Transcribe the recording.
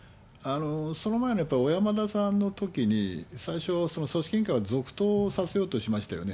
その前のやっぱり、小山田さんのときに、最初、組織委員会は続投させようとしましたよね。